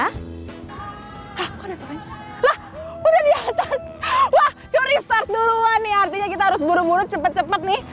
hah udah soalnya lah udah di atas wah curi start duluan nih artinya kita harus buru buru cepet cepet nih